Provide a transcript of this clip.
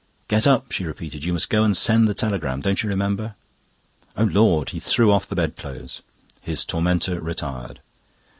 "Get up!" she repeated. "You must go and send the telegram. Don't you remember?" "O Lord!" He threw off the bed clothes; his tormentor retired.